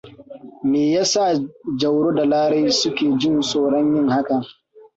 Me ya sa Jauro da Lare suke jin tsoron yin hakan?